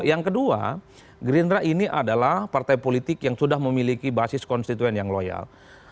yang kedua gerindra ini adalah partai politik yang sudah memiliki basis konstituen yang loyal